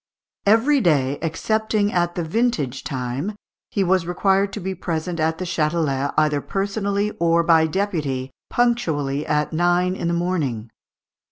Every day, excepting at the vintage time, he was required to be present at the Châtelet, either personally or by deputy, punctually at nine in the morning.